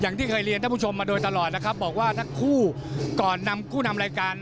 อย่างที่เคยเรียนท่านผู้ชมมาโดยตลอดนะครับบอกว่าทั้งคู่ก่อนนำคู่นำรายการ